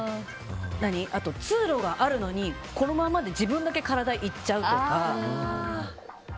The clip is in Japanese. あと、通路があるのにこのままで自分だけ体行っちゃうとか。